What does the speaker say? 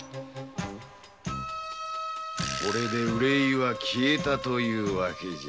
これで憂いは消えたという訳じゃ。